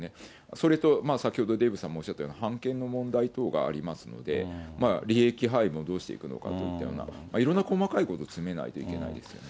それと先ほどデーブさんもおっしゃったような版権の問題等がありますので、利益配分どうしていくのかといったような、いろんな細かいことを詰めないといけないですね。